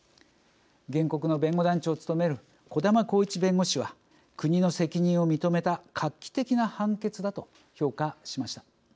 原告の弁護団長を務める児玉晃一弁護士は国の責任を認めた画期的な判決だと評価しました。